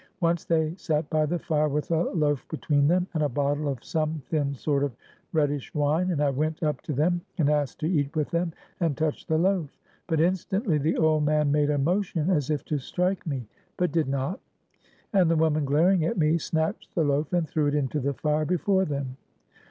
Once they sat by the fire with a loaf between them, and a bottle of some thin sort of reddish wine; and I went up to them, and asked to eat with them, and touched the loaf. But instantly the old man made a motion as if to strike me, but did not, and the woman, glaring at me, snatched the loaf and threw it into the fire before them.